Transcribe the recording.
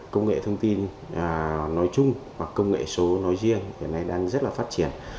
công nghệ thông tin nói chung hoặc công nghệ số nói riêng hiện nay đang rất là phát triển